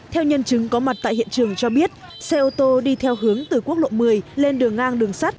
theo nhân chứng có mặt tại hiện trường cho biết xe ô tô đi theo hướng từ quốc lộ một mươi lên đường ngang đường sắt